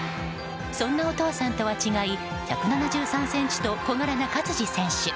そんなお父さんとは違い１７３ｃｍと小柄な勝児選手。